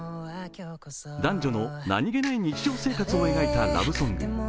男女の何気ない日常生活を描いたラブソング。